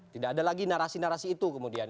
tidak ada lagi narasi narasi itu kemudian